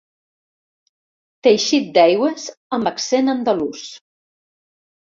Teixit d'aigües amb accent andalús.